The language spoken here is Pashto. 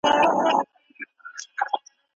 آیا پټه خبره به زما په ژوند کوم اغېز ولري؟